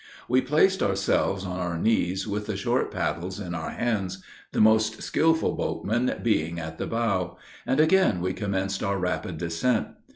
We placed ourselves on our knees, with the short paddles in our hands, the most skillful boatman being at the bow; and again we commenced our rapid descent.